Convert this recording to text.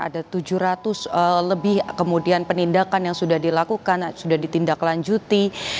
ada tujuh ratus lebih kemudian penindakan yang sudah dilakukan sudah ditindaklanjuti